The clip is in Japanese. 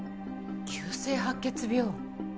急性白血病？